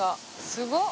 すごっ！